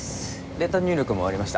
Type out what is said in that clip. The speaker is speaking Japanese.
データ入力も終わりました。